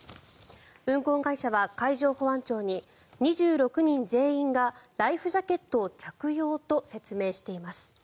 運航会社は海上保安庁に２６人全員がライフジャケットを着用と説明しています。